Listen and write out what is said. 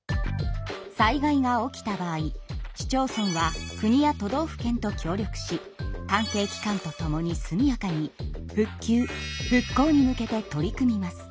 災害が起きた場合市町村は国や都道府県と協力し関係機関と共に速やかに復旧・復興に向けて取り組みます。